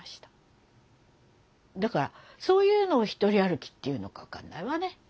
だからそういうのを一人歩きっていうのか分かんないわね。